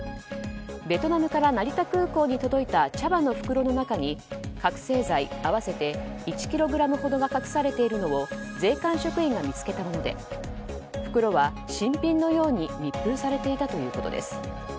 ベトナムから成田空港に届いた茶葉の袋の中に覚醒剤合わせて１ｋｇほどが隠されているのを税関職員が見つけたもので袋は新品のように密封されていたということです。